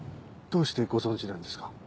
どうしてご存じなんですか？